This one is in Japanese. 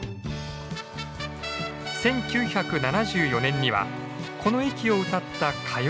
１９７４年にはこの駅を歌った歌謡曲もヒット。